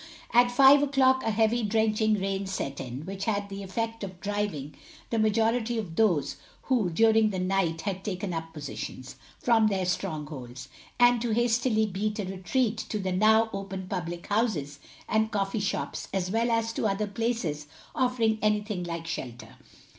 At five o'clock a heavy drenching rain set in, which had the effect of driving the majority of those who during the night had taken up positions, from their strongholds, and to hastily beat a retreat to the now open public houses and coffee shops, as well as to other places offering anything like shelter.